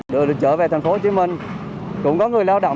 và được trở về tp hcm cũng có người lao động